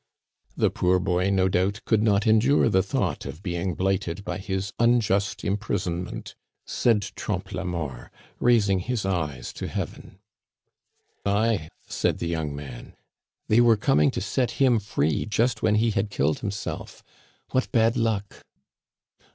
"The poor boy, no doubt, could not endure the thought of being blighted by his unjust imprisonment," said Trompe la Mort, raising his eyes to heaven. "Ay," said the young man; "they were coming to set him free just when he had killed himself. What bad luck!"